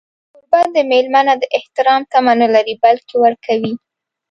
کوربه د مېلمه نه د احترام تمه نه لري، بلکې ورکوي.